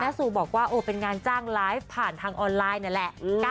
ซูบอกว่าโอ้เป็นงานจ้างไลฟ์ผ่านทางออนไลน์นั่นแหละ